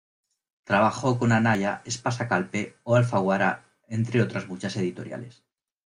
Trabajó con Anaya, Espasa-Calpe o Alfaguara, entre otras muchas editoriales.